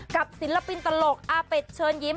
กับศิลปินตลกอ่าเพชรเชินยิ้ม